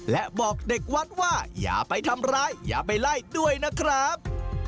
และบอกเด็กวัดว่าอย่าไปทำร้ายอย่าไปไล่ด้วยนะครับ